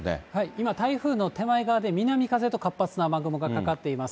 今台風の手前側で南風と活発な雨雲がかかっています。